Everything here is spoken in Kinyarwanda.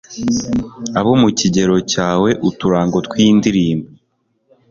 abo mu kigero cyawe uturango tw'indirimbo